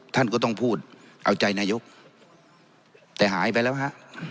ท่านก็ต้องพูดเอาใจนายกแต่หายไปแล้วฮะ